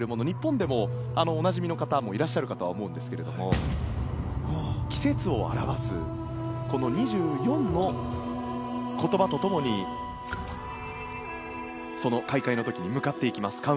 日本でもおなじみの方もいらっしゃるかとは思うんですが季節を表すこの２４の言葉とともにその開会の時に向かっていきます。